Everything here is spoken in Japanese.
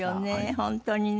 本当にね。